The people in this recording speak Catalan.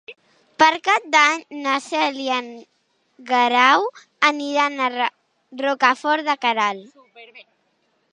Per Cap d'Any na Cel i en Guerau aniran a Rocafort de Queralt.